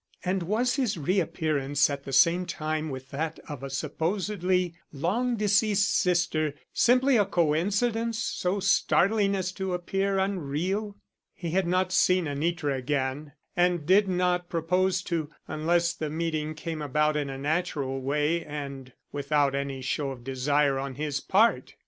And was his reappearance at the same time with that of a supposedly long deceased sister simply a coincidence so startling as to appear unreal? He had not seen Anitra again and did not propose to, unless the meeting came about in a natural way and without any show of desire on his part.